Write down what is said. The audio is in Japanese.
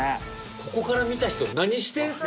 ここから見た人「何してんすか？」